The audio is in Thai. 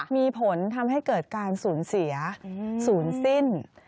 มีผลทำให้เกิดการสูญเสียศูนย์สิ้น